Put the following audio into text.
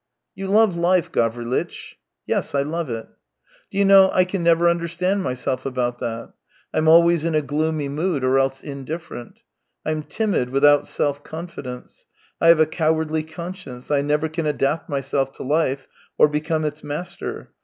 " You love life, Gavrilitch ?"" Yes, I love it." " Do you know, I can never understand myself about that. Fm alwa^'s in a gloomy mood or else indifferent. Fm timid, without self confidence; I have a cowardly conscience; I never can adapt myself to life, or become its master.